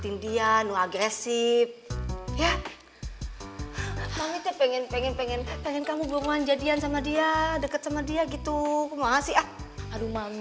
neng lagi ada jalan